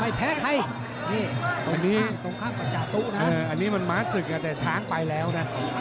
อันนี้มัน้าก์สึกอาจจะช้างไปแล้วนะ